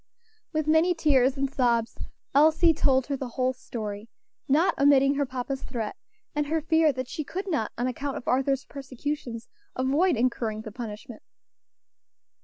With many tears and sobs Elsie told her the whole story, not omitting her papa's threat, and her fear that she could not, on account of Arthur's persecutions, avoid incurring the punishment.